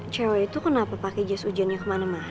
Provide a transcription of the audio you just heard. cewek itu kenapa pake jas ujannya kemana mana sih